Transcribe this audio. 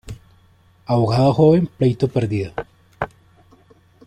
Abogado joven, pleito perdido.